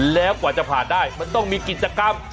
แล้วกว่าจะผ่านได้มันต้องมีกิจกรรม